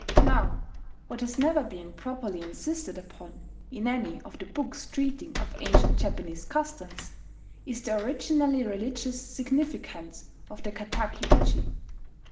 Now, what has never been properly insisted upon, in any of the books treating of ancient Japanese customs, is the originally religious significance of the kataki uchi.